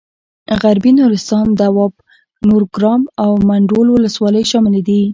غربي نورستان دواب نورګرام او منډول ولسوالۍ شاملې دي.